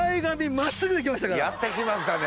やって来ましたね。